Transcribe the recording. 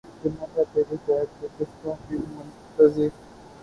جنت ہے تیری تیغ کے کشتوں کی منتظر